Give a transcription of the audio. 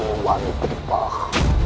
si wanita dipah